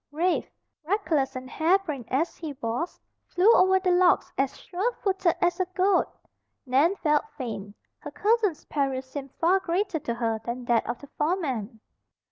Rafe, reckless and harebrained as he was, flew over the logs as sure footed as a goat. Nan felt faint. Her cousin's peril seemed far greater to her than that of the foreman.